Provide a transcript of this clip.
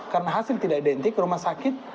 karena hasil tidak identik rumah sakit